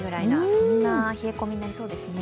そんな冷え込みになりそうですね。